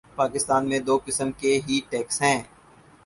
پاکستان میں دو قسم کے ہی ٹیکس ہیں۔